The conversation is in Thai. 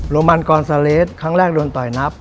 โรมันกอนซาเลสครั้งแรกโดนต่อยนับ